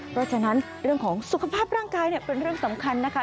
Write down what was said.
เพราะฉะนั้นเรื่องของสุขภาพร่างกายเป็นเรื่องสำคัญนะคะ